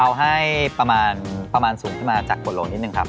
เอาให้ประมาณประมาณสูงที่มาจากกวดลงนิดนึงครับ